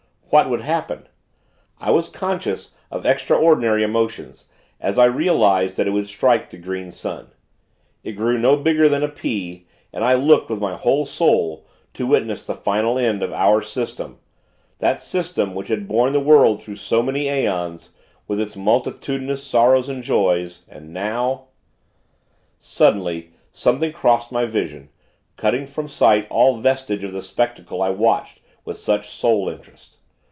What would happen? I was conscious of extraordinary emotions, as I realized that it would strike the Green Sun. It grew no bigger than a pea, and I looked, with my whole soul, to witness the final end of our System that system which had borne the world through so many aeons, with its multitudinous sorrows and joys; and now Suddenly, something crossed my vision, cutting from sight all vestige of the spectacle I watched with such soul interest.